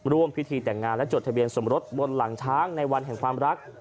ร่วมพิธีแต่งงานและจดทะเบียนสมรสบนหลังช้างในวันแห่งความรัก